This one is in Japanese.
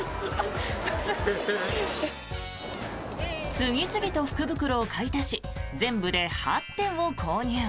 次々と福袋を買い足し全部で８点を購入。